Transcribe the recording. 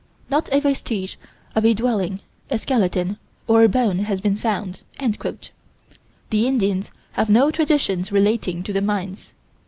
not a vestige of a dwelling, a skeleton, or a bone has been found." The Indians have no traditions relating to the mines.